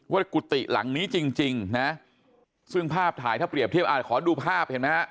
กุฏิหลังนี้จริงนะซึ่งภาพถ่ายถ้าเปรียบเทียบขอดูภาพเห็นไหมฮะ